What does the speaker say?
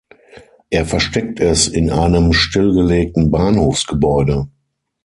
Er versteckt es in einem stillgelegten Bahnhofsgebäude.